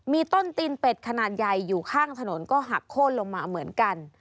มีต้นตีนเป็ดขนาดใหญ่อยู่ข้างถนนก็หักโค้นลงมาเหมือนกัน